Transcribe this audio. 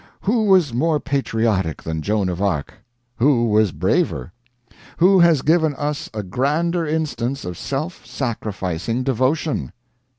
Who was more patriotic than Joan of Arc? Who was braver? Who has given us a grander instance of self sacrificing devotion?